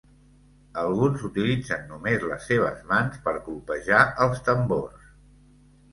Alguns utilitzen només les seves mans per colpejar els tambors.